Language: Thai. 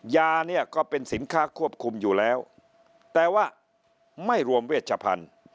ยาเนี่ยก็เป็นสินค้าควบคุมอยู่แล้วแต่ว่าไม่รวมเวชพันธุ์